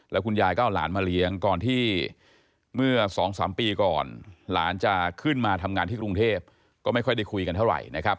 แล้วคุณยายก็เอาหลานมาเลี้ยงก่อนที่เมื่อ๒๓ปีก่อนหลานจะขึ้นมาทำงานที่กรุงเทพก็ไม่ค่อยได้คุยกันเท่าไหร่นะครับ